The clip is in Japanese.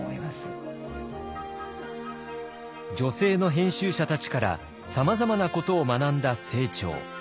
女性の編集者たちからさまざまなことを学んだ清張。